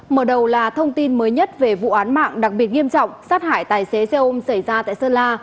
mở đầu là thông tin mới nhất về vụ án mạng đặc biệt nghiêm trọng sát hại tài xế xe ôm xảy ra tại sơn la